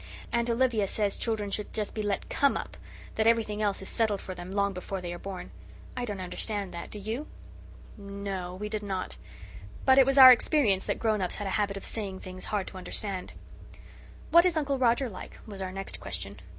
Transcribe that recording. Aunt Olivia says children should just be let COME up that everything else is settled for them long before they are born. I don't understand that. Do you?" No, we did not. But it was our experience that grown ups had a habit of saying things hard to understand. "What is Uncle Roger like?" was our next question.